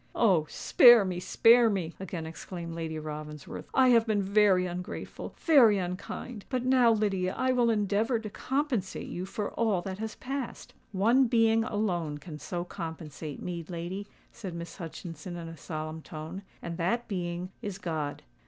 "Oh! spare me—spare me!" again exclaimed Lady Ravensworth. "I have been very ungrateful—very unkind; but now, Lydia, I will endeavour to compensate you for all that has passed." "One being alone can so compensate me, lady," said Miss Hutchinson in a solemn tone; "and that being is God!